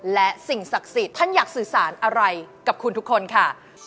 และสิ่งศักดิ์สิทธิ์ท่านอยากสื่อสารอะไรกับคุณทุกคนค่ะ